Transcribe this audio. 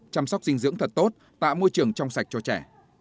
chăm sóc dinh dưỡng thật tốt tạo môi trường trong sạch cho trẻ